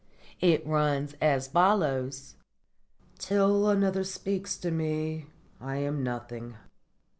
It runs as follows: '_Till another speaks to me I am nothing.